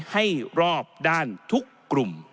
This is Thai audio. ให้รอบด้านทุกกลุ่ม